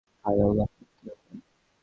হায়, আল্লাহ, এ কী হলো?